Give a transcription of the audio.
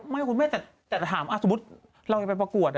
คุณแม่แต่ถามสมมุติเรายังไปประกวด